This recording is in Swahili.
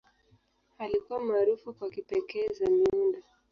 Alikuwa maarufu kwa kipekee za miundo.